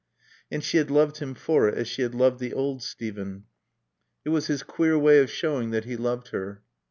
And she had loved him for it as she had loved the old Steven. It was his queer way of showing that he loved her.